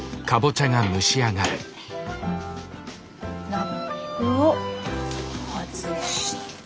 ラップを外して。